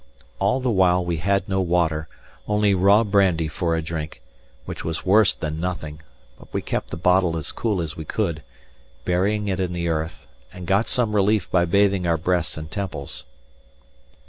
All the while we had no water, only raw brandy for a drink, which was worse than nothing; but we kept the bottle as cool as we could, burying it in the earth, and got some relief by bathing our breasts and temples.